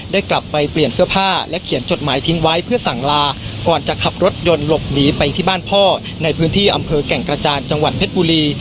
ได้กลับไปเปลี่ยนเสื้อผ้าและเขียนจดหมายทิ้งไว้เพื่อสั่งลาก่อนจะขับรถยนต์หลบหนีไปที่บ้านพ่อในพื้นที่อำเภอแก่งกระจานจังหวัดเพชรบุรี